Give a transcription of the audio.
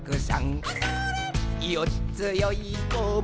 「よっつよいこも